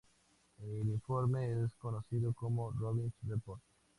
El informe es conocido como Robbins Report.